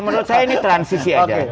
menurut saya ini transisi oke